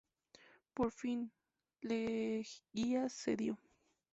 Por fin, Leguía cedió.